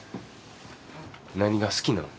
何が好きなん？